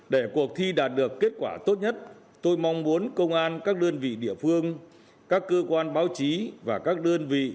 để cuộc thi đạt được kết quả tốt nhất tôi mong muốn công an các đơn vị địa phương các cơ quan báo chí và các đơn vị